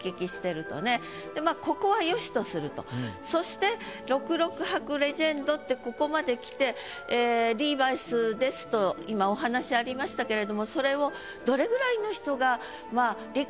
まぁここはよしとするとそして「６６穿くレジェンド」ってここまできて「リーバイスです」と今お話ありましたけれどもそれを。